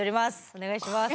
お願いします。